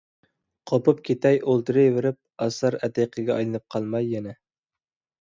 قوپۇپ كېتەي، ئولتۇرۇۋېرىپ ئاسارئەتىقىگە ئايلىنىپ قالماي يەنە.